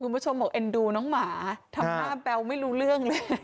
คุณผู้ชมบอกเอ็นดูน้องหมาทำหน้าแบวไม่รู้เรื่องเลย